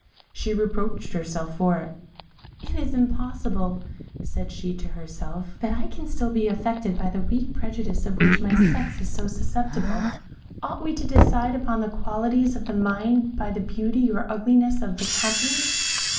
She reproached herself for it. "Is it possible," said she to herself, "that I can be still affected by the weak prejudice of which my sex is so susceptible? Ought we to decide upon the qualities of the mind by the beauty or ugliness of the countenance?